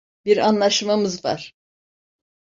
Bir anlaşmamız var.